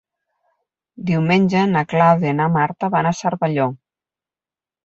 Diumenge na Clàudia i na Marta van a Cervelló.